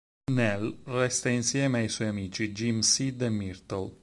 Nell resta insieme ai suoi amici, Jim, Sid e Myrtle.